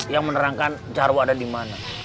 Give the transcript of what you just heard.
yang menerangkan charw ada di mana